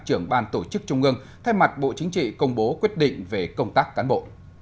trưởng ban tổ chức trung ương thay mặt bộ chính trị công bố quyết định về công tác cán bộ